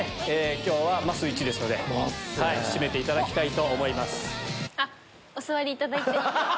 今日はまっすー１位ですので締めていただきたいと思います。